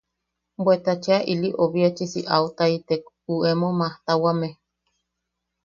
Bweta cheʼa ili obiachisi autaitek u emo majtawame.